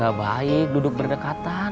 gak baik duduk berdekatan